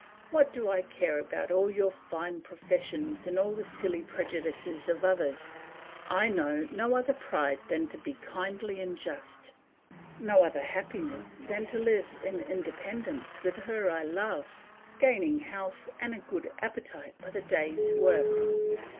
What do I care about all your fine professions and all the silly prejudices of others? I know no other pride than to be kindly and just; no other happiness than to live in independence with her I love, gaining health and a good appetite by the day's work.